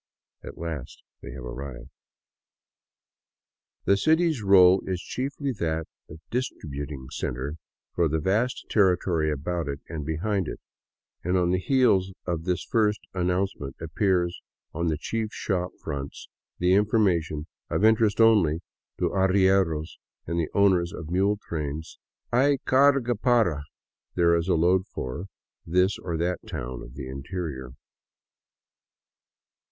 (At last they have arrived.) The city's role is chiefly that of distributing center for the vast territory about and behind it, and on the heels of this first announce ment appears on the chief shop fronts the information, of interest only to arrieros and the owners of mule trains :'' HAY CARGA PARA — There is a load for " this or that town of the interior.